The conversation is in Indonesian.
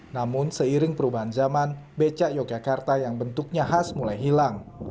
namun seiring perubahan zaman becak yogyakarta yang bentuknya khas mulai hilang